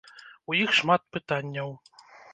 У іх шмат пытанняў.